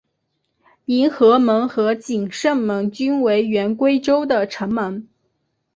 迎和门和景圣门均为原归州的城门。